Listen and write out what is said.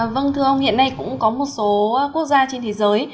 vâng thưa ông hiện nay cũng có một số quốc gia trên thế giới